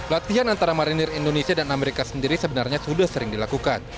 latihan antara marinir indonesia dan amerika sendiri sebenarnya sudah sering dilakukan